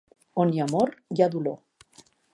On hi ha amor hi ha dolor.